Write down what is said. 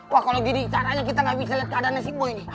wah kalau gini caranya kita gak bisa lihat keadaan nessie boy nih